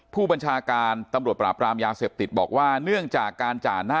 ผู้บัญชาการตำรวจปราบปรามยาเสพติดบอกว่า